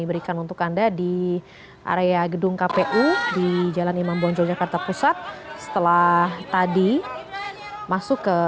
berikan untuk anda di area gedung kpu di jalan imam bonjol jakarta pusat setelah tadi masuk ke